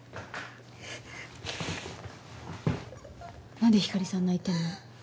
何でひかりさん泣いてんの？